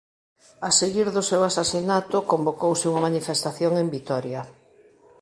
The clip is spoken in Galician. A seguir do seu asasinato convocouse unha manifestación en Vitoria.